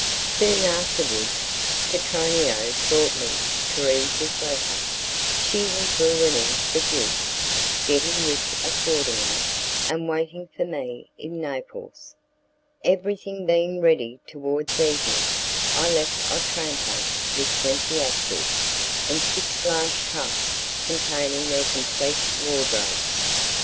Soon afterwards, Petronio brought me Thérèse's letter. She was ruining the duke, getting rich accordingly, and waiting for me in Naples. Everything being ready towards evening, I left Otranto with twenty actors, and six large trunks containing their complete wardrobes.